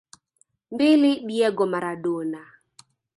Mbili Diego Maradona